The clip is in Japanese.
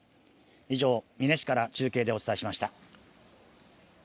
以上、美祢市から中継でお伝えしました。